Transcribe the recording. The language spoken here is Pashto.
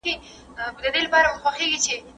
دوی به هيڅکله د يو بل شتمني نه پټوي.